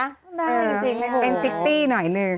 จริงค่ะอ๋อครับใช่๓๖๐หน่อยหนึ่ง